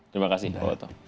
terima kasih pak oto